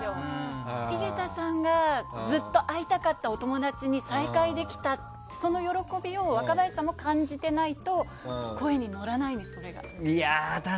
井桁さんがずっと会いたかったお友達に再会できた、その喜びを若林さんも感じてないと声に乗らないんです、それが。